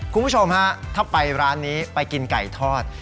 คุณผู้ชมฮะถ้าไปร้านนี้ไปกินไก่ทอด